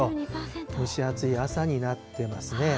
蒸し暑い朝になってますね。